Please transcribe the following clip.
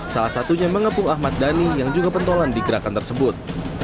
salah satunya mengepung ahmad dhani yang juga pentolan di gerakan tersebut